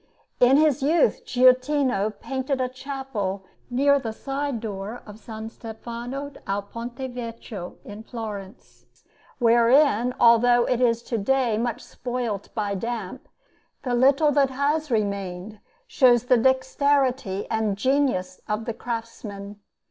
In his youth Giottino painted a chapel near the side door of S. Stefano al Ponte Vecchio in Florence, wherein, although it is to day much spoilt by damp, the little that has remained shows the dexterity and the genius of the craftsman.